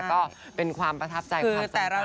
ก็เป็นความประทับใจความสามารถ